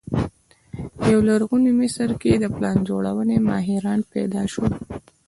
په لرغوني مصر کې د پلان جوړونې ماهران پیدا شول.